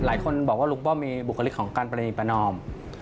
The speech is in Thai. หลายคนบอกว่าลุงป้อมมีบุคลิกของการปรณีประนอม